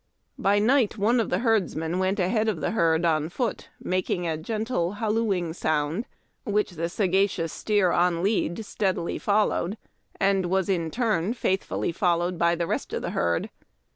By night one of the herdsmen went ahead of the herd on foot, making a gentle hallooing .sound which the sagacious steer on lead steadily followed, and was in turn faith fully followed by the rest of the herd.